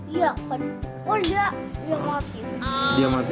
iya kan oh dia mati